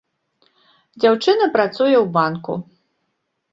Дзяўчына працуе у банку.